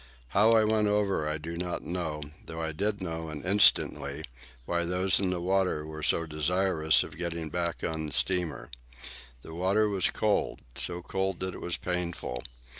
How I went over I do not know, though I did know, and instantly, why those in the water were so desirous of getting back on the steamer. The water was cold—so cold that it was painful.